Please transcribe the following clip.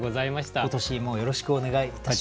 今年もよろしくお願いいたします。